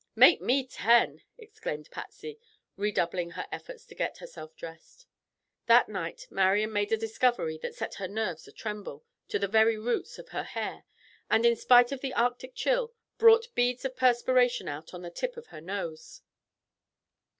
Make me ten," exclaimed Patsy, redoubling her efforts to get herself dressed. That night Marian made a discovery that set her nerves a tremble to the very roots of her hair and, in spite of the Arctic chill, brought beads of perspiration out on the tip of her nose.